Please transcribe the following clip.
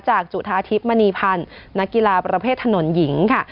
จุธาทิพย์มณีพันธ์นักกีฬาประเภทถนนหญิงค่ะ